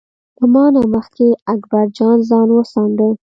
له ما نه مخکې اکبر جان ځان وڅانډه.